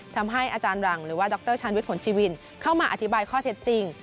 ทำให้อาจารย์หลังหรือว่าดรชาญวิทย์ผลชีวินเข้ามาอธิบายข้อเท็จจริง